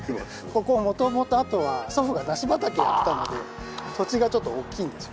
ここ元々あとは祖父が梨畑やってたので土地がちょっと大きいんですよ。